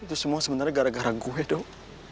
itu semua sebenarnya gara gara gue dong